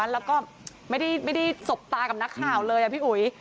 แล้วก็ไม่ได้สบตากับนักข่าวเลยพี่อุ๋ย